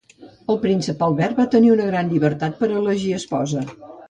El príncep Albert va tenir una gran llibertat per elegir esposa.